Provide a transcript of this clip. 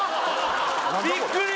ビックリ！